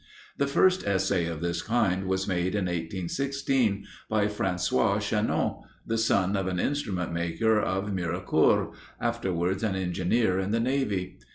The first essay of this kind was made in 1816 by François Chanot, the son of an instrument maker of Mirecourt, afterwards an engineer in the navy.